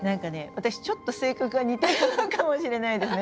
私ちょっと性格が似てるのかもしれないですね。